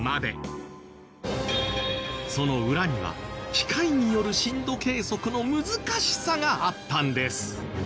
その裏には機械による震度計測の難しさがあったんです。